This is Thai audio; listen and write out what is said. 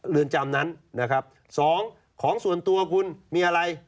เรือนจำนั้นนะครับสองของส่วนตัวคุณมีอะไร